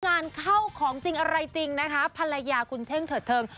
งานเข้าของจริงอะไรจริงนะคะภรรยาคุณเท่งเถิดเทิง